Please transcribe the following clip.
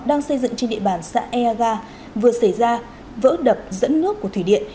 đang xây dựng trên địa bàn xã ea ga vừa xảy ra vỡ đập dẫn nước của thủy điện